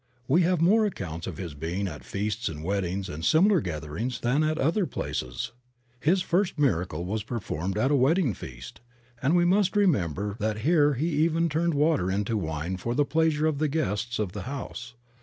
We have more accounts of his being at feasts and weddings and similar gatherings than at other places. His first miracle was per formed at a wedding feast, and we must remember that here he even turned water into wine for the pleasure of the guests of the house.